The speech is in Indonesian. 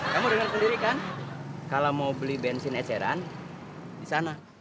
kamu dengan sendiri kan kalau mau beli bensin eceran di sana